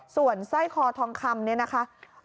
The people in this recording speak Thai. ส่วนสร้อยคอทองคำเนี่ยนะคะ